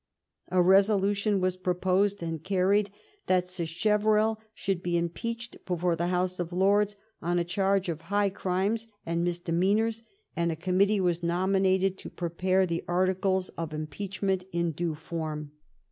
A resolution was proposed and carried that Sacheverell should be impeached before the House of Lords on a charge of high crimes and misdemeanors, and a committee was nominated to prepare the articles of impeachment in due form.